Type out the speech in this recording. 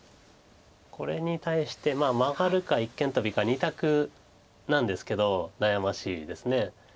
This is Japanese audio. これに対してマガるか一間トビか２択なんですけど悩ましいです。